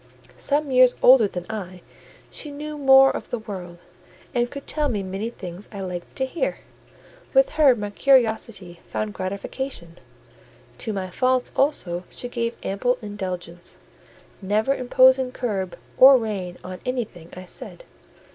Some years older than I, she knew more of the world, and could tell me many things I liked to hear: with her my curiosity found gratification: to my faults also she gave ample indulgence, never imposing curb or rein on anything I said.